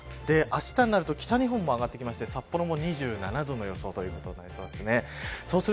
あしたになると北日本も上がってきて札幌も２７度の予想です。